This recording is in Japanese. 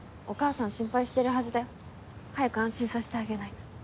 お母さん心配してるはずだよ。早く安心させてあげないと。